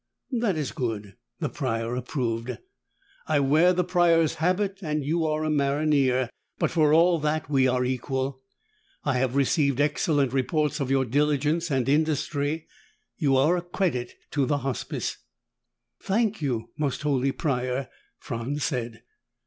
"That is good," the Prior approved. "I wear the Prior's habit and you are a maronnier, but, for all that, we are equal. I have received excellent reports of your diligence and industry. You are a credit to the Hospice." "Thank you, Most Holy Prior," Franz said.